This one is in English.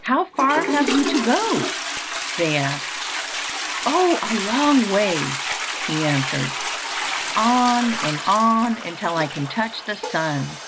"How far have you to go?" they asked. "Oh, a long way!" he answered. "On and on until I can touch the sun."